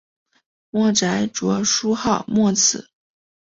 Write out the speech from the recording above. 墨翟着书号墨子。